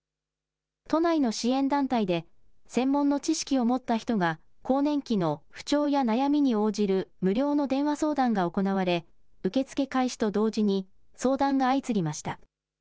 都内の支援団体で専門の知識を持った人が更年期の不調や悩みに応じる無料の電話相談が行われ、受け付け開始と同時に相談が相次ぎました。